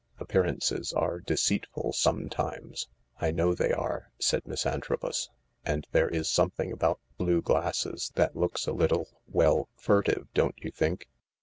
Appearances are deceitful sometimes. "" I know they are," said Miss Antrobus. And there is something about blue glasses that looks a little— well furtive, don't you think